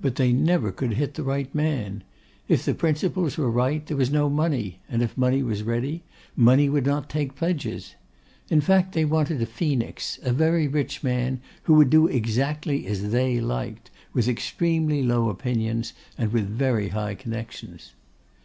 But they never could hit the right man. If the principles were right, there was no money; and if money were ready, money would not take pledges. In fact, they wanted a Phoenix: a very rich man, who would do exactly as they liked, with extremely low opinions and with very high connections.